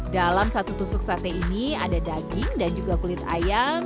dalam satu tusuk sate ini ada daging dan juga kulit ayam